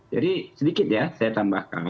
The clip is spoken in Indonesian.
jadi sedikit ya saya tambahkan